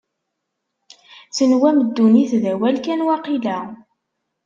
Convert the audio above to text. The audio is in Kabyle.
Tenwam ddunit d awal kan, waqila?